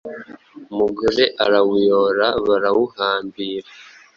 umugore arawuyora barawuhambira